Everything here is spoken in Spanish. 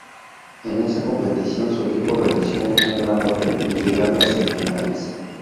En esa competición su equipo realizó un gran papel, llegando a semifinales.